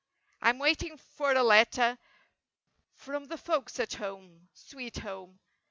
I'm waiting for a letter from the folks at home— sweet home!